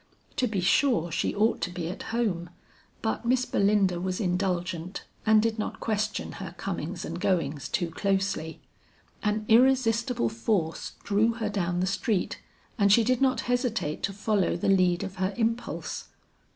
To be sure she ought to be at home, but Miss Belinda was indulgent and did not question her comings and goings too closely. An irresistible force drew her down the street, and she did not hesitate to follow the lead of her impulse.